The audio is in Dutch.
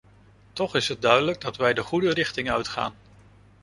Toch is het duidelijk dat wij de goede richting uitgaan.